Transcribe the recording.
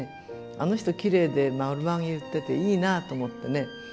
あの人きれいで丸まげ結ってていいなぁと思ってね